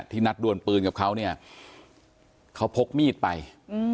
นัดดวนปืนกับเขาเนี่ยเขาพกมีดไป